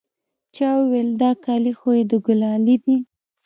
چا وويل دا كالي خو يې د ګلالي دي.